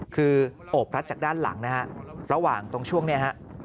คือโอบพลัดจากด้านหลังนะฮะระหว่างตรงช่วงนี้ฮะ